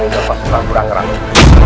kita akan mencari siliwangi